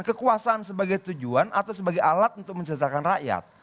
kekuasaan sebagai tujuan atau sebagai alat untuk menceritakan rakyat